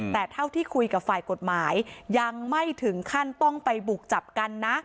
แต่เท่าที่คุยกับฝ่ายกฎหมายยังไม่ถึงขั้นต้องไปบุกจับกันนะ